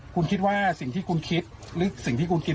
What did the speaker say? แต่ร้านนี้ก็ขาย๙๐๐บาทครับ